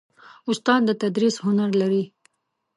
استاد د تدریس هنر لري.